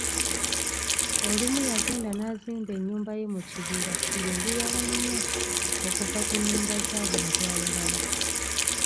Olumu yagenda nazimba ennyumba ye mukibira nga eriwala nnyo, okuva ku nyumba z'abantu abalala.